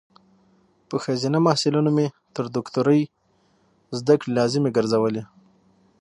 په خځینه محصلینو مې تر دوکتوری ذدکړي لازمي ګرزولي